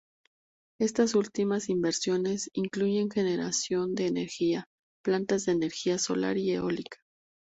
Estas últimas inversiones incluyen generación de energía, plantas de energía solar y eólica.